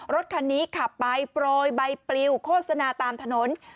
รถคันนี้ขับไปโปรยใบปลิวโฆษณาตามถนน